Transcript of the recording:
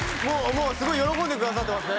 もうすごい喜んでくださってます